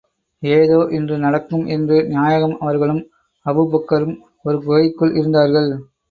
ஏதோ இன்று நடக்கும் என்று நாயகம் அவர்களும், அபூபக்கரும ஒரு குகைக்குள் இருந்தார்கள்.